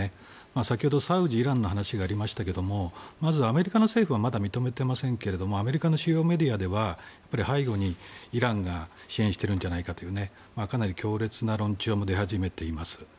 先ほどサウジ、イランの話がありましたけどアメリカの政府はまだ認めてませんがアメリカの主要メディアでは背後にイランが支援しているんじゃないかというかなり強烈な論調も出始めています。